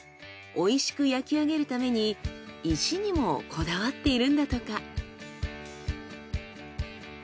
美味しく焼き上げるために石にもこだわっているんだとか。